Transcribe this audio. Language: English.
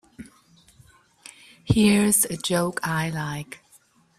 Here's a joke I like.